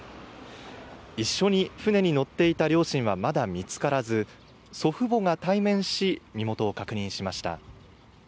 一緒に船に乗っていた両親はまだ見つからず、祖父母が対面し、身元を確認しました。